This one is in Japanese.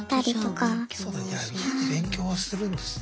勉強はするんですね。